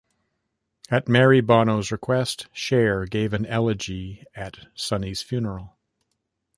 At Mary Bono's request, Cher gave a eulogy at Sonny's funeral.